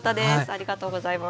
ありがとうございます。